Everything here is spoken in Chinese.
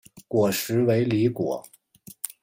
果实为离果。